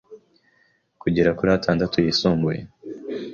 kugera kuri atandatu yisumbuye